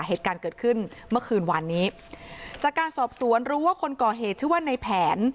เหตุการณ์เกิดขึ้นเมื่อคืนวานนี้จากการสอบสวนรู้ว่าคนก่อเหตุชื่อว่าในแผน